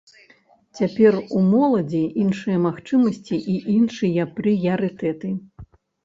Цяпер у моладзі іншыя магчымасці і іншыя прыярытэты.